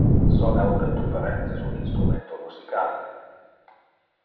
Sona un de tu parentes un instrumento musical?